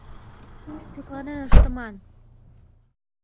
ШЕКЛАНЕН ЫШТЫМАН